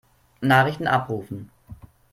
Nachrichten abrufen.